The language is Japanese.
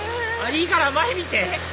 いいから前見て！